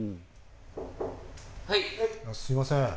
すみません。